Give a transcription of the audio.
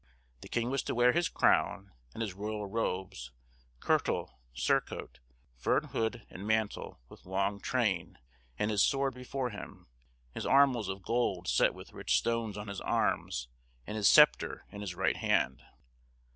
The king was to wear his crown and his royal robes, kirtle, surcoat, furred hood, and mantle, with long train, and his sword before him; his armills of gold set with rich stones on his arms, and his sceptre in his right hand.